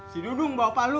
si dudung bawa palu